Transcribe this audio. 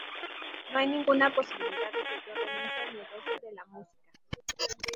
No hay ninguna posibilidad de que yo renuncie al negocio de la música.